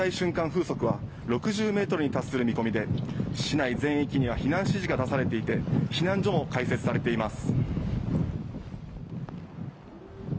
風速は６０メートルに達する見込みで市内全域には避難指示が出されていて避難所も開設されています。